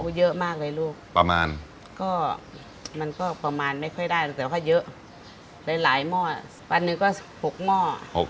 เยอะมากเลยลูก